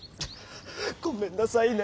ごめんなさいね。